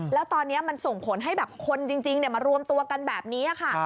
แล้วตอนนี้มันส่งผลให้แบบคนจริงมารวมตัวกันแบบนี้ค่ะ